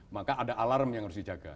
maka ada alarm yang harus dijaga